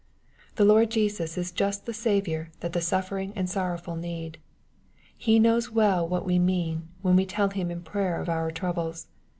The Lord Jesus is just the Saviour that the suffering and sorrowful need. He knows well what we mean, when we tell Him in prayer of our troubles.